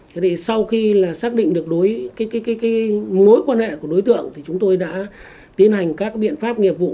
thế thì sau khi là xác định được đối mối quan hệ của đối tượng thì chúng tôi đã tiến hành các biện pháp nghiệp vụ